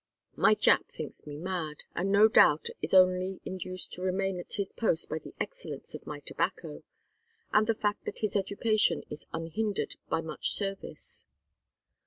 My Jap thinks me mad, and no doubt is only induced to remain at his post by the excellence of my tobacco, and the fact that his education is unhindered by much service.